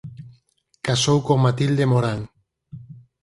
Casou con Matilde Morán.